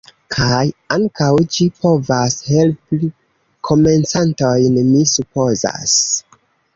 Kaj ankaŭ ĝi povas helpi komencantojn, mi supozas.